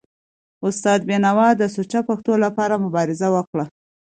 استاد بینوا د سوچه پښتو لپاره مبارزه وکړه.